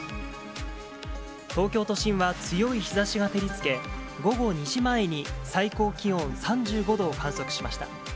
東京都心は強い日ざしが照りつけ、午後２時前に最高気温３５度を観測しました。